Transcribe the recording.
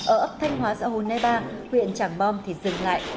ở ấp thanh hóa xã hồ nai ba huyện trảng bom thì dừng lại